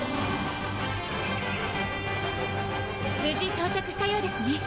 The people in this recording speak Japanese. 無事到着したようですね。